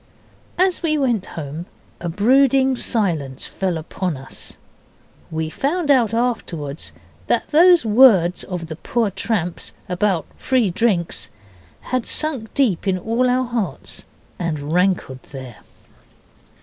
As we went home a brooding silence fell upon us; we found out afterwards that those words of the poor tramp's about free drinks had sunk deep in all our hearts, and rankled there.